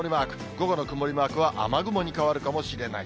午後の曇りマークは、雨雲に変わるかもしれない。